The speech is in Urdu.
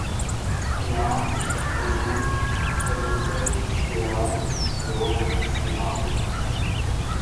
کلام ، عَرُوض ، تغزل ، خیال ، ذوق ، جمال